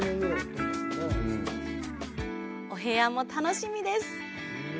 お部屋も楽しみです。